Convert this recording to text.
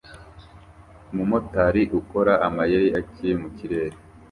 Umumotari ukora amayeri akiri mu kirere